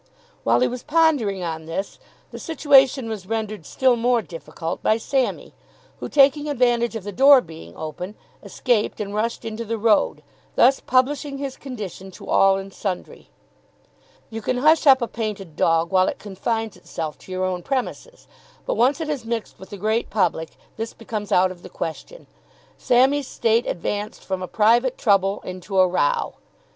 While he was pondering on this the situation was rendered still more difficult by Sammy, who, taking advantage of the door being open, escaped and rushed into the road, thus publishing his condition to all and sundry. You can hush up a painted dog while it confines itself to your own premises, but once it has mixed with the great public this becomes out of the question. Sammy's state advanced from a private trouble into a row. Mr.